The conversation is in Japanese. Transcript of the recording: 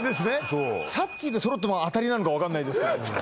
そうサッチーで揃っても当たりなのか分かんないですけど